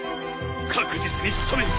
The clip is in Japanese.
確実に仕留める！